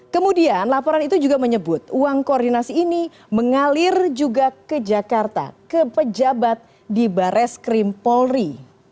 kemudian laporan itu juga menyebut uang koordinasi ini mengalir juga ke jakarta ke pejabat di bares krim polri